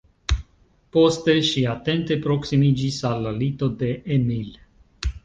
Poste ŝi atente proksimiĝis al la lito de Emil.